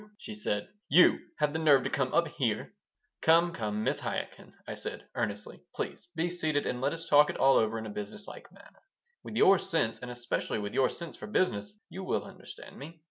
she said. "You have the nerve to come up here?" "Come, come, Mrs. Chaikin," I said, earnestly. "Please be seated and let us talk it all over in a business like manner. With your sense, and especially with your sense for business. you will understand me."